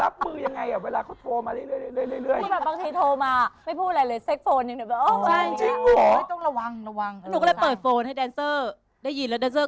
บ๊วย